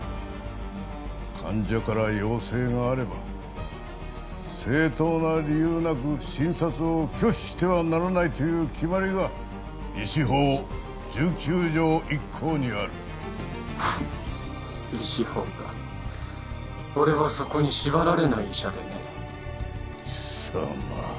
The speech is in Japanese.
患者から要請があれば正当な理由なく診察を拒否してはならないという決まりが医師法１９条１項にあるフンッ医師法か俺はそこに縛られない医者でね貴様